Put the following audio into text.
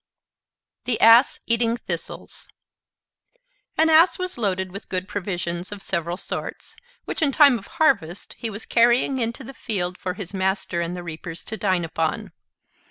THE ASS EATING THISTLES An Ass was loaded with good provisions of several sorts, which, in time of harvest, he was carrying into the field for his master and the reapers to dine upon.